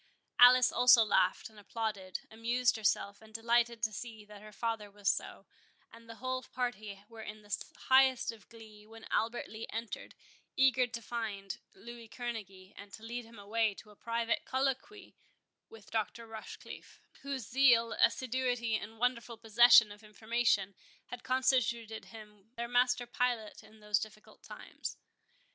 Alice also laughed, and applauded, amused herself, and delighted to see that her father was so; and the whole party were in the highest glee, when Albert Lee entered, eager to find Louis Kerneguy, and to lead him away to a private colloquy with Dr. Rochecliffe, whose zeal, assiduity, and wonderful possession of information, had constituted him their master pilot in those difficult times.